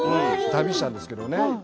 旅をしたんですけどね